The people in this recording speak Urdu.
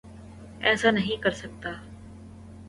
ایسا نہیں کرسکتا